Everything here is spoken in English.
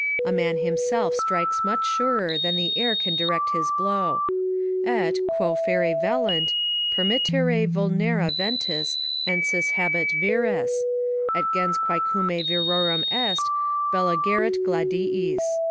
A man himself strikes much surer than the air can direct his blow: "Et, quo ferre velint, permittere vulnera ventis Ensis habet vires; et gens quaecumque virorum est, Bella gerit gladiis."